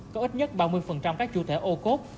có ít nhất ba mươi các chủ thể ô cốt